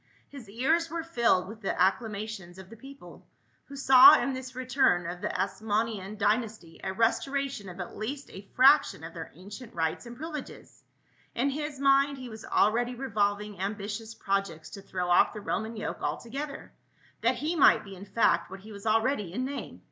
His ears were filled with the acclamations of the people who saw in this return of the Asmonean dy nasty a restoration of at least a fraction of their ancient rights and privileges; in his mind he was already revolving ambitious projects to throw off the Roman yoke altogether, that he might be in fact what he was already in name.